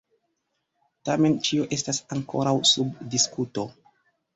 Tamen ĉio estas ankoraŭ sub diskuto.